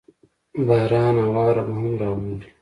باران او واوره به هم راووري.